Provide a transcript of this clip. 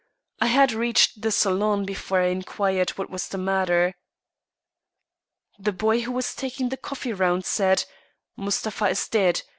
I had reached the salon before I inquired what was the matter. The boy who was taking the coffee round said: "Mustapha is dead.